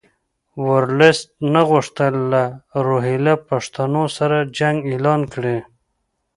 ورلسټ نه غوښتل له روهیله پښتنو سره جنګ اعلان کړي.